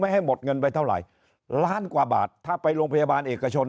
ให้หมดเงินไปเท่าไหร่ล้านกว่าบาทถ้าไปโรงพยาบาลเอกชน